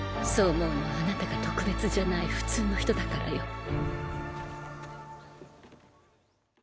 そう思うのはあなたが特別じゃない普通の人だからよ。